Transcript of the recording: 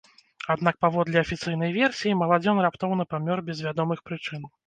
Аднак паводле афіцыйнай версіі, маладзён раптоўна памёр без вядомых прычын.